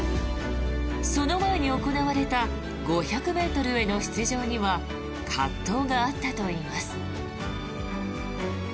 その前に行われた５００ｍへの出場には葛藤があったといいます。